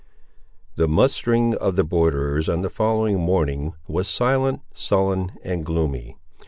The mustering of the borderers on the following morning was silent, sullen, and gloomy.